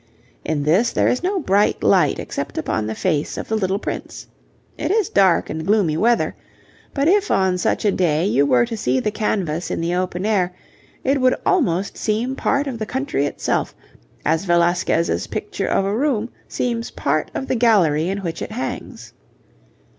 In this there is no bright light except upon the face of the little prince. It is dark and gloomy weather, but if on such a day you were to see the canvas in the open air it would almost seem part of the country itself, as Velasquez's picture of a room seems part of the gallery in which it hangs.